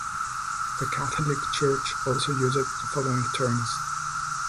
The Catholic Church also uses the following terms.